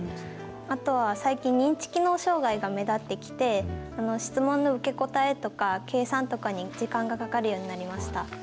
あとは最近、認知機能障害が目立ってきて、質問の受け答えとか計算とかに時間がかかるようになりました。